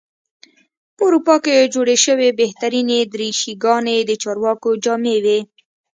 په اروپا کې جوړې شوې بهترینې دریشي ګانې د چارواکو جامې وې.